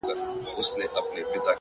دي مــــړ ســي.!